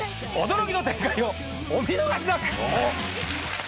驚きの展開をお見逃しなく！